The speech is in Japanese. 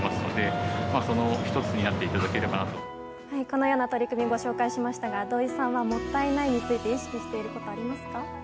このような取り組みを紹介しましたが土井さんはもったいないについて意識していることはありますか？